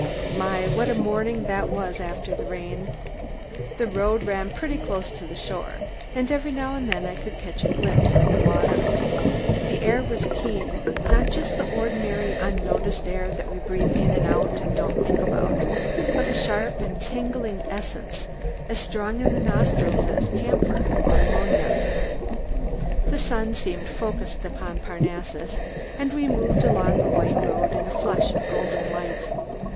My, what a morning that was after the rain! The road ran pretty close to the shore, and every now and then I could catch a glimpse of the water. The air was keen not just the ordinary, unnoticed air that we breathe in and out and don't think about, but a sharp and tingling essence, as strong in the nostrils as camphor or ammonia. The sun seemed focussed upon Parnassus, and we moved along the white road in a flush of golden light.